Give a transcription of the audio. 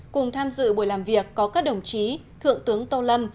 cùng tham dự buổi làm việc có các đồng chí thượng tướng tô lâm